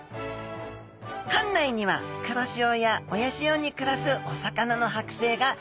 館内には黒潮や親潮に暮らすお魚の剥製がずらり！